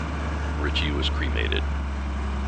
Ritchie was cremated.